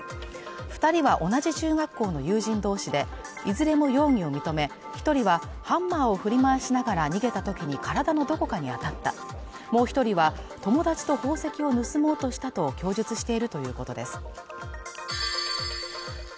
二人は同じ中学校の友人同士でいずれも容疑を認め一人はハンマーを振り回しながら逃げた時に体のどこかに当たったもう一人は友達と宝石を盗もうとしたと供述しているということです